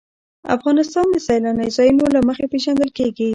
افغانستان د سیلانی ځایونه له مخې پېژندل کېږي.